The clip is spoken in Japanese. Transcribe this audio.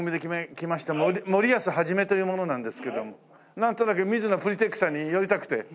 なんとなくミズノプリテックさんに寄りたくて。